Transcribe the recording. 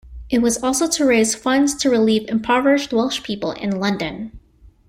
It was also to raise funds to relieve impoverished Welsh people in London.